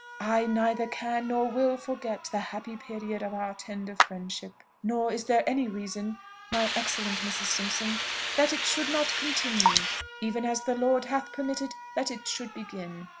"I neither can nor will forget the happy period of our tender friendship. Nor is there any reason, my excellent Mrs. Simpson, that it should not continue, even as the Lord hath permitted that it should begin.